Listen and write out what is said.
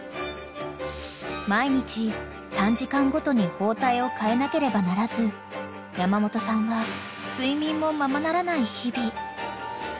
［毎日３時間ごとに包帯を替えなければならず山本さんは睡眠もままならない日々］